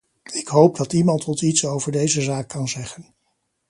Ik hoop dat iemand ons iets over deze zaak kan zeggen.